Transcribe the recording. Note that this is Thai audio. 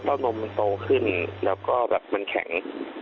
เพราะนมมันโตขึ้นแล้วก็แบบมันแข็ง